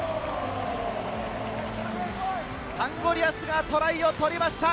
サンゴリアスがトライを取りました！